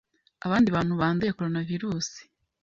abandi bantu banduye coronavirus